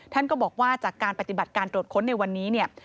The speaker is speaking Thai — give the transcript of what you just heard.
ท่านก็บอกว่าจากการปฏิบัติการตรวจค้นในวันนี้เนี่ย